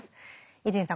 伊集院さん